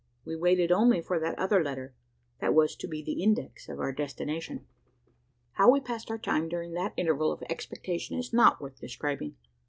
We waited only for that other letter, that was to be the index to our destination. How we passed our time during that interval of expectation is not worth describing.